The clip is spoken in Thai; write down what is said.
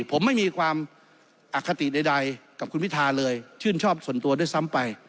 ผมไม่มีความอคติใดกับคุณพิทาเลยชื่นชอบส่วนตัวด้วยซ้ำไป